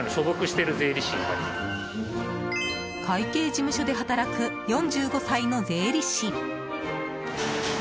会計事務所で働く４５歳の税理士。